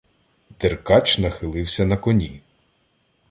Деркач нахилився на коні.